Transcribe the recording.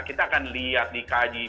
kita akan lihat di kaji